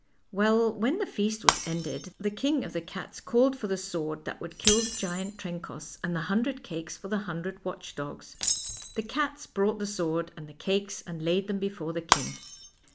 Well, when the feast was ended, the King of the Cats called for the sword that would kill the giant Trencoss, and the hundred cakes for the hundred watch dogs. The cats brought the sword and the cakes and laid them before the king.